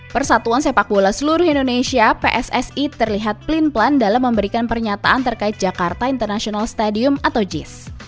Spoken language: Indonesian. persatuan sepak bola seluruh indonesia pssi terlihat pelin pelan dalam memberikan pernyataan terkait jakarta international stadium atau jis